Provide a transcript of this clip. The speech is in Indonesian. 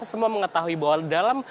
semua mengetahui bahwa dalam